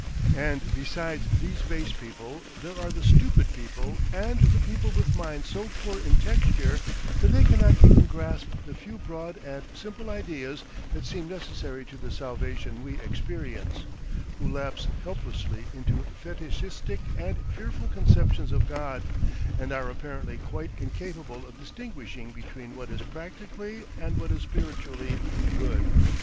And besides these base people there are the stupid people and the people with minds so poor in texture that they cannot even grasp the few broad and simple ideas that seem necessary to the salvation we experience, who lapse helplessly into fetishistic and fearful conceptions of God, and are apparently quite incapable of distinguishing between what is practically and what is spiritually good.